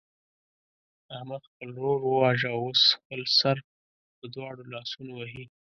احمد خپل ورور وواژه او اوس خپل سر په دواړو لاسونو وهي.